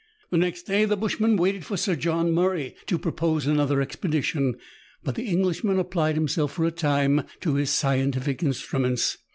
The next day the bushman waited for Sir John Murray to propose another expedition ; but the Englishman applied himself for a time to his scientific instruments.